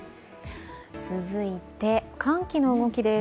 続いて、寒気の動きです。